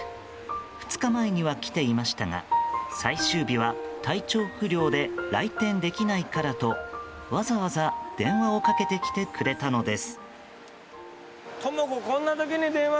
２日前には来ていましたが最終日は体調不良で来店できないからとわざわざ電話をかけてきてくれたのです。